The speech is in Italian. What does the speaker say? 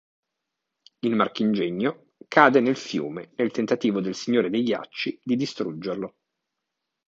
Il marchingegno cade nel fiume nel tentativo del Signore dei Ghiacci di distruggerlo.